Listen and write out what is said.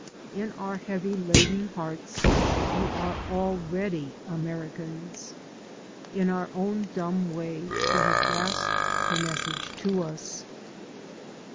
In our heavy laden hearts we are already Americans. In our own dumb way we have grasped her message to us.